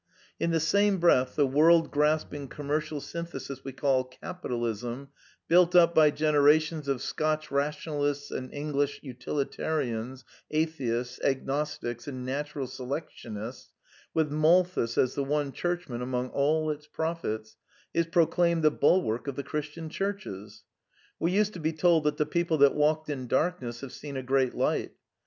In the same breath the world grasping commercial synthesis we call Capitalism, built up by generations of Scotch Rationalists and Eng lish Utilitarians, Atheists, Agnostics and Natural Selectionists, with Malthus as the one churchman among all its prophets, is proclaimed the bulwark of the Christian Churches. We used to be told that the people that walked in darkness have seen a great light.